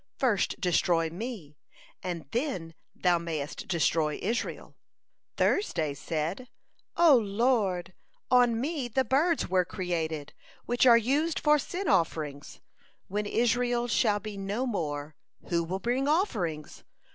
First destroy me, and then Thou mayest destroy Israel." Thursday said: "O Lord, on me the birds were created, which are used for sin offerings. When Israel shall be no more, who will bring offerings?